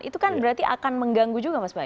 itu kan berarti akan mengganggu juga mas bayu